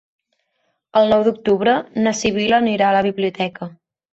El nou d'octubre na Sibil·la anirà a la biblioteca.